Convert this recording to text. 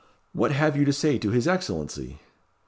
"What have you to say to his Excellency?"